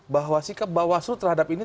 bahwa sikap bawaslu terhadap ini